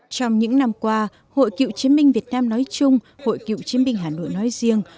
trong những năm qua hội cựu chiến binh việt nam nói chung hội cựu chiến binh hà nội nói riêng